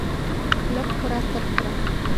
لږ خوره تل خوره.